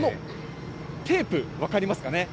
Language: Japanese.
このテープ、分かりますかね。